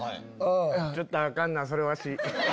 ちょっとアカンなそれわし。